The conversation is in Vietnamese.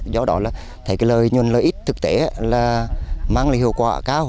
do đó là thấy cái lợi nhuận lợi ích thực tế là mang lại hiệu quả cao